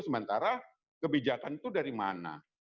sementara kebijakan itu dari mana